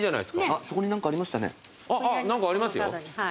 あっ何かありますよ。